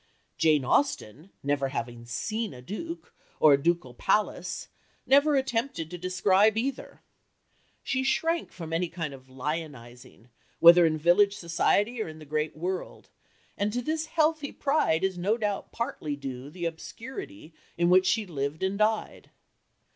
Jane Austen, "never having seen a duke," or a ducal palace, never attempted to describe either. She shrank from any kind of "lionizing," whether in village society or in the "great world," and to this healthy pride is no doubt partly due the obscurity in which she lived and died.